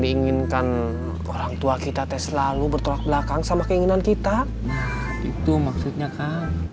berpengen kan orang tua kita tes selalu bertolak belakang sama keinginan kita itu maksudnya kak